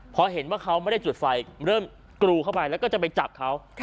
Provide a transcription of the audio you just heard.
พอเห็นว่าเขาไม่ได้จุดไฟเริ่มกรูเข้าไปแล้วก็จะไปจับเขา